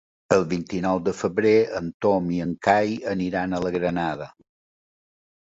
El vint-i-nou de febrer en Tom i en Cai aniran a la Granada.